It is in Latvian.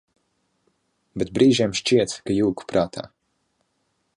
Bet brīžiem šķiet, ka jūku prātā.